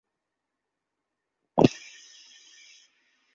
ঠিক আছে, আর উনার উত্তর না আসলে?